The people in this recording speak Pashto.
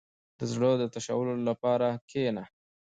• د زړۀ د تشولو لپاره کښېنه.